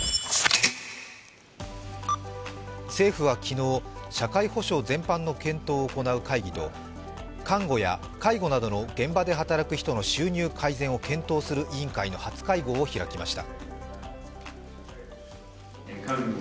政府は昨日、社会保障全般の検討を行う会議の介護などの現場で働く人の収入の改善を検討する委員会の初会合を開きました。